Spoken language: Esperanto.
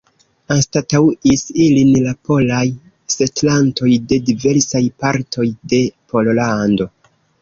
Anstataŭis ilin la polaj setlantoj de diversaj partoj de Pollando.